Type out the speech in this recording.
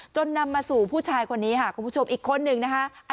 นำมาสู่ผู้ชายคนนี้ค่ะคุณผู้ชมอีกคนนึงนะคะ